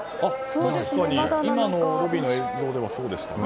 今のロビーの映像ではそうでしたね。